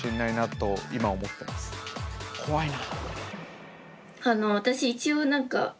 怖いな。